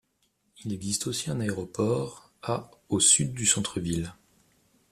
Il existe aussi un aéroport, à au sud du centre ville.